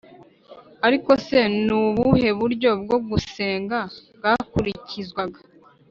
ariko se ni ubuhe buryo bwo gusenga bwakurikizwaga?